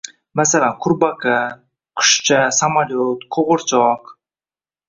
masalan, qurbaqa, qushcha, samolyot, qo‘g‘irchoq...